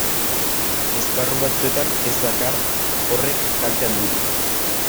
Esparru batzuetan ez dakar horrek kalte handirik.